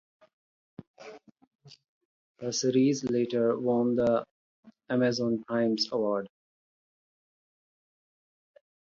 The series later won the Amazon Prime’s award.